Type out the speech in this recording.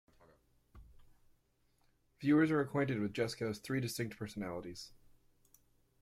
Viewers are acquainted with Jesco's three distinct personalities.